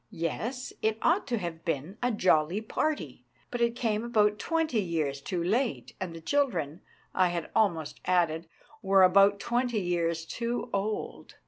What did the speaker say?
Yes, it ought to have been a jolly party, but it came about twenty years too late, and the children, I had almost added, were about twenty years too old.